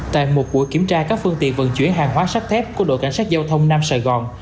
tại một buổi kiểm tra các phương tiện vận chuyển hàng hóa sắt thép của đội cảnh sát giao thông nam sài gòn